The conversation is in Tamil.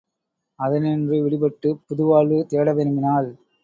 அதனின்று விடுபட்டுப் புதுவாழ்வு தேட விரும்பினாள்.